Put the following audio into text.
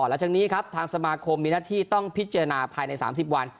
หลังจากนี้ครับทางสมาคมมีหน้าที่ต้องพิจารณาภายใน๓๐วัน